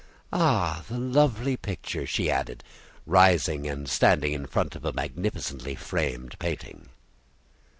Ah! the lovely picture!" she added, rising and standing in front of a magnificently framed painting.